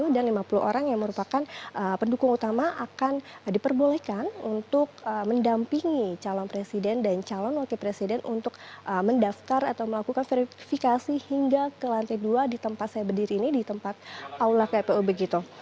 dan lima puluh orang yang merupakan pendukung utama akan diperbolehkan untuk mendampingi calon presiden dan calon wakil presiden untuk mendaftar atau melakukan verifikasi hingga ke lantai dua di tempat saya berdiri ini di tempat aula kpu